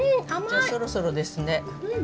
じゃあそろそろですね。